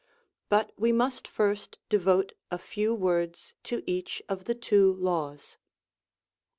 But we must first devote a few words to each of the two laws.